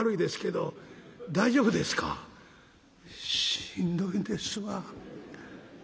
「しんどいんですわ」。